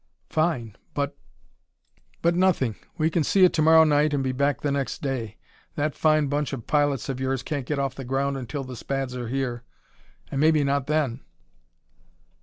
"Fine, but " "But nothing! We can see it to morrow night and be back the next day. That fine bunch of pilots of yours can't get off the ground until the Spads get here and maybe not then."